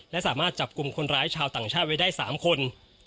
และสามารถจับกลุ่มคนร้ายชาวต่างชาติไว้ได้๓คน